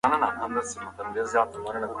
موږ هم باید له کاروان سره یو ځای سو.